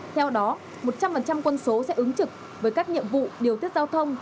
theo đó một trăm linh quân số sẽ ứng trực với các nhiệm vụ điều tiết giao thông